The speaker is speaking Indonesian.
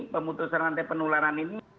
pemutusan nanti penularan ini